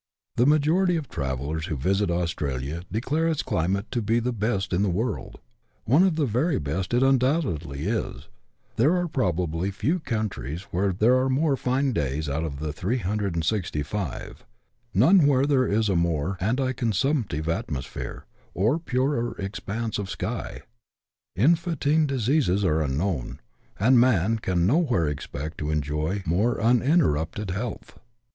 The majority of travellers who visit Australia declare its cli mate to be the best in the world. One of the very best it undoubtedly is : there are probably few countries where there are more fine days out of the 365, none where there is a more anti consumptive atmosphere, or a purer expanse of sky : in fantine diseases are unknown, and man can nowhere expect to enjoy more uninterrupted health.